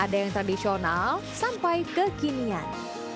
ada yang tradisional sampai kekinian